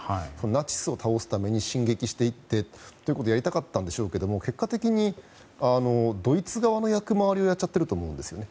ナチスを倒すために進撃していってということをやりたかったんでしょうけど結果的に、ドイツ側の役回りをしていると思うんですよね。